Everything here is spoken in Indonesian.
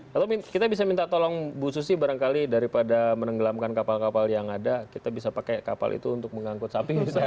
kalau kita bisa minta tolong bu susi barangkali daripada menenggelamkan kapal kapal yang ada kita bisa pakai kapal itu untuk mengangkut sapi misalnya